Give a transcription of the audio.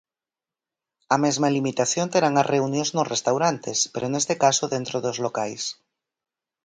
A mesma limitación terán as reunións nos restaurantes, pero neste caso dentro dos locais.